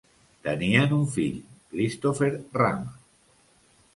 Tenien un fill, Christopher Rama.